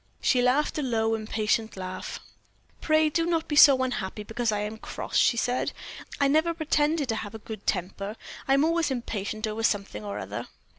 She laughed a low, impatient laugh. "Pray do not be so unhappy because I am cross," she said. "I never pretended to have a good temper. I am always impatient over something or other."